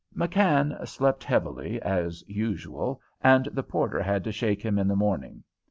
McKann slept heavily, as usual, and the porter had to shake him in the morning.